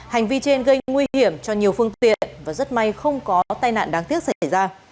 hành vi trên gây nguy hiểm cho nhiều phương tiện và rất may không có tai nạn đáng tiếc xảy ra